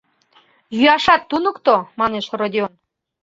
Йӱашат туныкто, — манеш Родион.